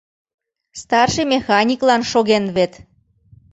Старший механиклан шоген вет.